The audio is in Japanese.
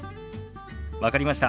分かりました。